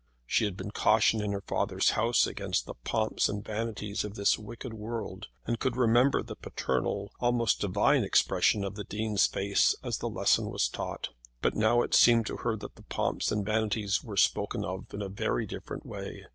She had been cautioned in her father's house against the pomps and vanities of this wicked world, and could remember the paternal, almost divine expression of the Dean's face as the lesson was taught. But now it seemed to her that the pomps and vanities were spoken of in a very different way.